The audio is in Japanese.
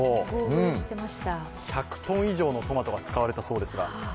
１００ｔ以上のトマトが使われたそうですが。